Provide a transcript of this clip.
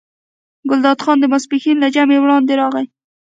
ګلداد خان د ماسپښین له جمعې وړاندې راغی.